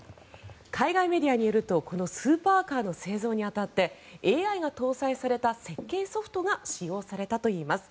海外メディアによるとこのスーパーカーの製造に当たってＡＩが搭載された設計ソフトが使用されたといいます。